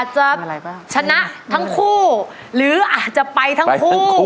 จะชนะทั้งคู่หรืออาจจะไปทั้งคู่